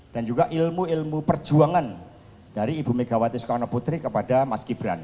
dan juga ilmu ilmu perjuangan dari ibu megawati soekarno bukti kepada mas gibran